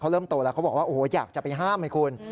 เริ่มโตแล้วเขาบอกว่าโอ้โหอยากจะไปห้ามให้คุณ